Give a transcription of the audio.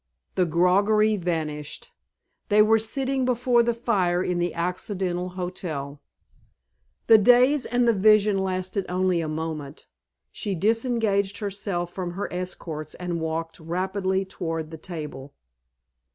The groggery vanished ... they were sitting before the fire in the Occidental Hotel.... The daze and the vision lasted only a moment. She disengaged herself from her escorts and walked rapidly toward the table.